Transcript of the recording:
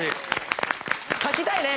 書きたいね！